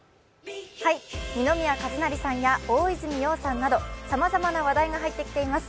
二宮和也さんや大泉洋さんなどさまざまな話題が入ってきています。